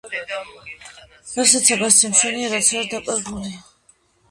რასაცა გასცრმ შენია რასც არა დაკარგულია.